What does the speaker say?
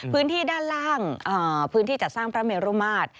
พื้นที่ด้านล่างพื้นที่จัดสร้างพระเมรุมาตร